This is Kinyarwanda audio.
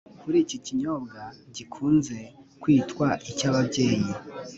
kuri iki kinyobwa gikunze kw'itwa icy'ababyeyi